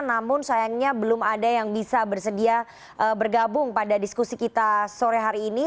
namun sayangnya belum ada yang bisa bersedia bergabung pada diskusi kita sore hari ini